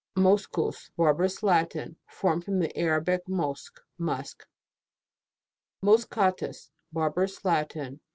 Moscnus. Barbarous Latin, formed from the Arabic mosch. Musk. MOSCHATUS. Barbarous Latin.